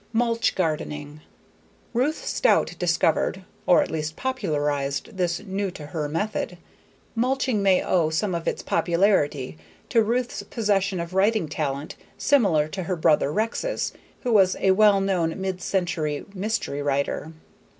Mulch Gardening Ruth Stout discovered or at least popularized this new to her method. Mulching may owe some of its popularity to Ruth's possession of writing talent similar to her brother Rex's, who was a well known mid century mystery writer.